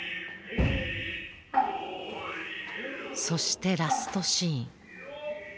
そしてラストシーン。